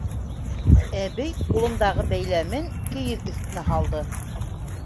— Әбей ҡулындағы бәйләмен кейеҙ өҫтөнә һалды.